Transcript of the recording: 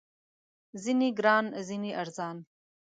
ځینې ګران، ځینې ارزان